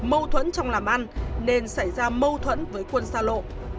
mâu thuẫn trong làm ăn nên xảy ra mâu thuẫn với quân xa lộ